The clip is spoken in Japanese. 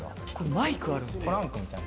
マイクある。